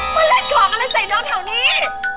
มาเล่นของอะไรใส่น้องแถวนี้